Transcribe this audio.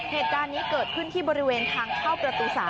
เหตุการณ์นี้เกิดขึ้นที่บริเวณทางเข้าประตู๓